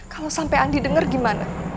kalau sampai andi denger gimana